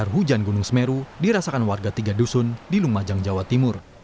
hujan gunung semeru dirasakan warga tiga dusun di lumajang jawa timur